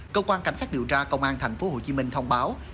cơ quan cảnh sát điều tra công an thành phố hồ chí minh thông báo